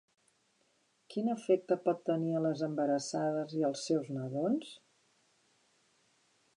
Quin efecte pot tenir en les embarassades i els seus nadons?